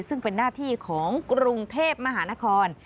ซึ่งเป็นหน้าที่ของกรุงเทพมหานคร